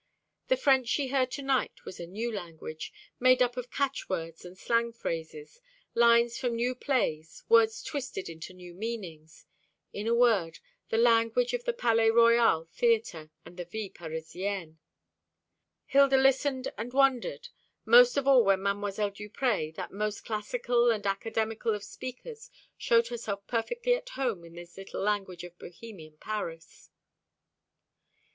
The French she heard to night was a new language made up of catchwords and slang phrases lines from new plays, words twisted into new meanings in a word, the language of the Palais Royal Theatre, and the Vie Parisienne. Hilda listened and wondered, most of all when Mdlle. Duprez, that most classical and academical of speakers, showed herself perfectly at home in this little language of Bohemian Paris.